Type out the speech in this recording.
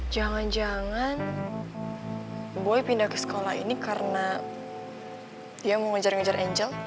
jangan jangan boy pindah ke sekolah ini karena ya mau ngejar ngejar angel